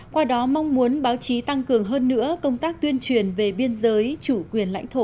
qua đó mong muốn báo chí tăng cường hơn nữa công tác tuyên truyền về biên giới chủ quyền lãnh thổ